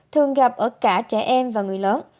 thường gặp ở cả trẻ em và người lớn